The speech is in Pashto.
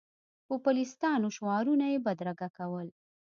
پوپلیستانو شعارونه یې بدرګه کول.